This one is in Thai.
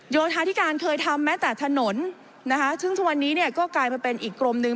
โยธาธิการทำแม้แต่ถนนวันนี้ก็กลายเป็นอีกกรมหนึ่ง